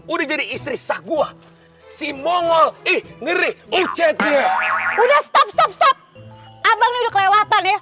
udah jadi istri saya si mongol ih ngeri ucetie udah stop stop stop abang ini udah kelewatan ya